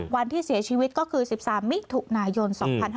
วันที่เสียชีวิตก็คือ๑๓มิถุนายน๒๕๕๙